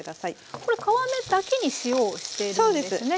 これ皮目だけに塩をしているんですね？